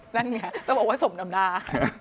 นั่นไงต้องบอกว่าสมดำหน้า